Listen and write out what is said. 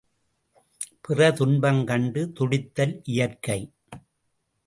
பிறர் துன்பம் கண்டு துடித்தல் இயற்கை.